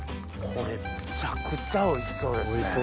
これむちゃくちゃおいしそうですね。